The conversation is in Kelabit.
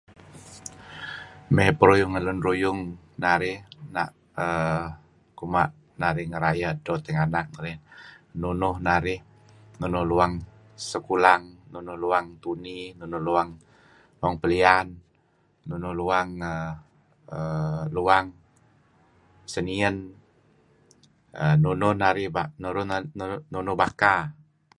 May pruyung ngen lun ruyung narih uhm kuma' narih ngerayeh edto tinganak narih nunuh narih luang sekulang nunuh luang Tuni luang Pelian nunuh luang uhm luang nenien nunuh narih bah nunuh baka.